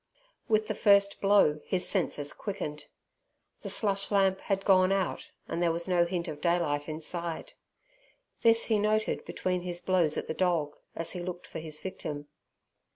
With the first blow his senses quickened. The slush lamp had gone out and there was no hint of daylight inside. This he noted between his blows at the dog, as he looked for his victim.